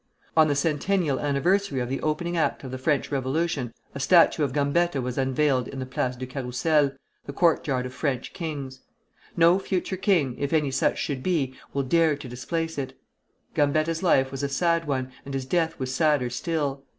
On the centennial anniversary of the opening act of the French Revolution, a statue of Gambetta was unveiled in the Place du Carrousel, the courtyard of French kings. No future king, if any such should be, will dare to displace it. Gambetta's life was a sad one, and his death was sadder still.